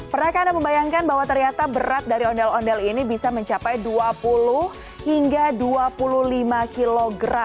pernahkah anda membayangkan bahwa ternyata berat dari ondel ondel ini bisa mencapai dua puluh hingga dua puluh lima kg